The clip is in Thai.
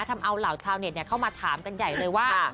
ทำเอาเหล่าชาวเน็ตเข้ามาถามกันใหญ่เลยว่า